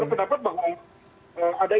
karena saya berpendapat bahwa